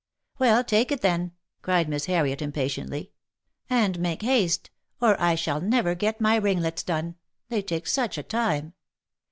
''Well, take it then," cried Miss Harriet, impatiently, "and make haste, or I shall never get my ringlets done : they take such a time.